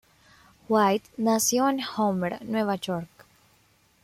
White nació en Homer, Nueva York.